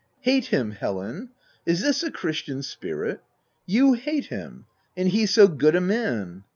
" Hate him, Helen ! Is this a christian spirit? — you hate him? — and he so good a man